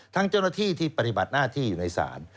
เจ้าหน้าที่ที่ปฏิบัติหน้าที่อยู่ในศาล